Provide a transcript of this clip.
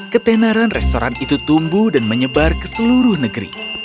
ketenaran restoran itu tumbuh dan menyebar ke seluruh negeri